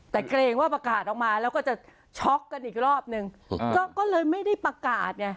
แต่เกรงว่าประกาศออกมาแล้วก็จะช็อกกันอีกรอบนึงก็เลยไม่ได้ประกาศไง